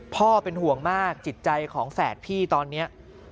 พ่อเป็นห่วงมากจิตใจของแฝดพี่ตอนนี้